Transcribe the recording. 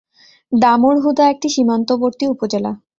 দামুড়হুদা একটি সীমান্তবর্তী উপজেলা।